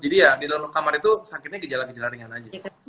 jadi ya di dalam kamar itu sakitnya gejala gejala ringan aja